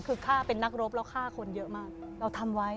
คือฆ่าเป็นนักรบแล้วฆ่าคนเยอะมากเราทำไว้